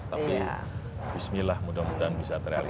tapi bismillah mudah mudahan bisa terrealisasi